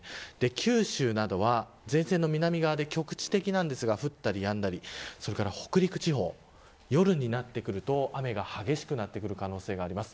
九州などは前線の南側で局地的ですが降ったりやんだりそれから北陸地方夜になってくると雨が激しくなってくる可能性があります。